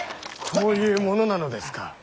こういうものなのですか。